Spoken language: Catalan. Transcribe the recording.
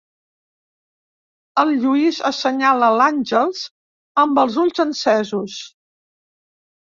El Lluís assenyala l'Àngels, amb els ulls encesos.